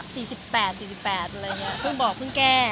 มีปิดฟงปิดไฟแล้วถือเค้กขึ้นมา